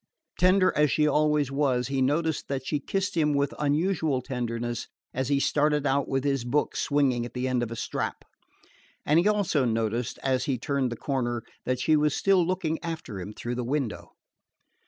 Tender as she always was, he noticed that she kissed him with unusual tenderness as he started out with his books swinging at the end of a strap; and he also noticed, as he turned the corner, that she was still looking after him through the window.